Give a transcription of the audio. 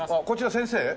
こちら先生？